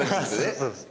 そうですね。